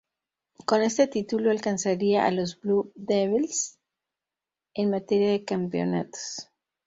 Con este título alcanzaría a los Blue Devils en materia de campeonatos.